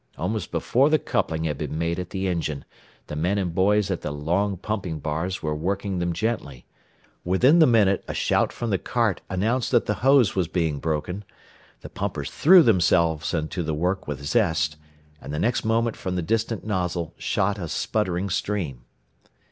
Almost before the coupling had been made at the engine the men and boys at the long pumping bars were working them gently; within the minute a shout from the cart announced that the hose was being broken, the pumpers threw themselves into the work with zest, and the next moment from the distant nozzle shot a sputtering stream.